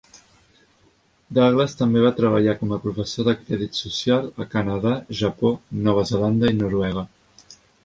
Douglas també va treballar com a professor de crèdit social a Canadà, Japó, Nova Zelanda i Noruega.